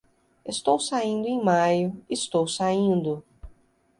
Estou saindo em maio, estou saindo.